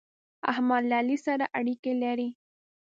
احمد له علي سره اړېکې لري.